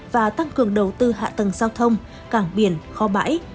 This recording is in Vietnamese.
và tăng cường đầu tư hạ tầng giao thông cảng biển kho bãi